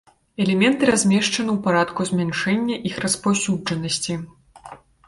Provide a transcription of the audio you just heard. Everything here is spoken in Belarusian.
Элементы размешчаны ў парадку змяншэння іх распаўсюджанасці.